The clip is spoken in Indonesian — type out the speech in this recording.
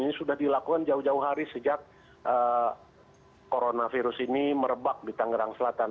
ini sudah dilakukan jauh jauh hari sejak coronavirus ini merebak di tangerang selatan